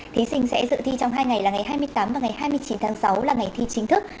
thí sinh sẽ dự thi trong hai ngày là ngày hai mươi tám và ngày hai mươi chín tháng sáu là ngày thi chính thức